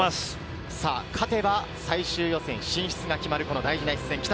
勝てば最終予選進出が決まるこの大事な一戦。